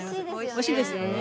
おいしいですよね。